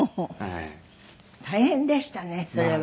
大変でしたねそれは。